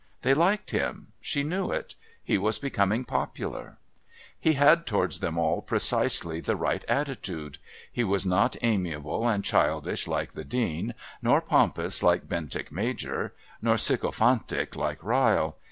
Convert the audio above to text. They liked him; she knew it. He was becoming popular. He had towards them all precisely the right attitude; he was not amiable and childish like the Dean, nor pompous like Bentinck Major, nor sycophantic like Ryle.